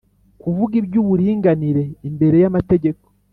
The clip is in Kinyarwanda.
kuvuga iby'uburinganire imbere y'amategeko